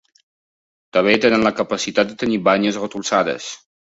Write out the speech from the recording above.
També tenen la capacitat de tenir banyes retorçades.